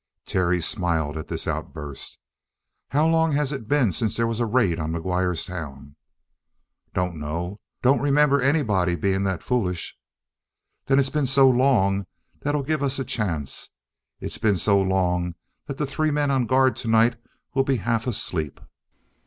Terry smiled at this outburst. "How long has it been since there was a raid on McGuire's town?" "Dunno. Don't remember anybody being that foolish" "Then it's been so long that it'll give us a chance. It's been so long that the three men on guard tonight will be half asleep."